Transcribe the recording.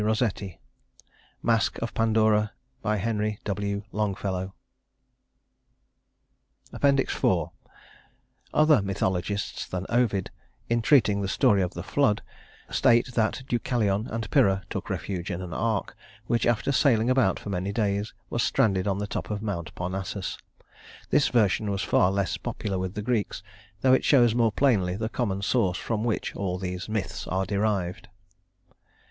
ROSSETTI Masque of Pandora HENRY W. LONGFELLOW IV Other mythologists than Ovid, in treating the story of the flood, state that Deucalion and Pyrrha took refuge in an ark, which, after sailing about for many days, was stranded on the top of Mount Parnassus. This version was far less popular with the Greeks, though it shows more plainly the common source from which all these myths are derived.